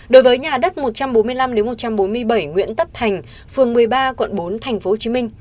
đối với nhà đất một trăm bốn mươi năm một trăm bốn mươi bảy nguyễn tất thành phường một mươi ba quận bốn tp hcm